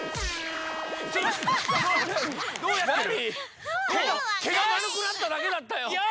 てがまるくなっただけだったよ。